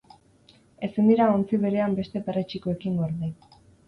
Ezin dira ontzi berean beste perretxikoekin gorde.